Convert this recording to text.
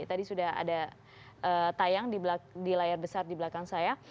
tadi sudah ada tayang di layar besar di belakang saya